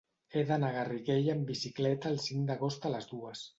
He d'anar a Garriguella amb bicicleta el cinc d'agost a les dues.